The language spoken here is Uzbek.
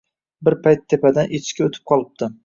Bir payt tepadan Echki o‘tib qolibdi